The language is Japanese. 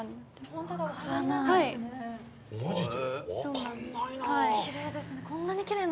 分かんないな。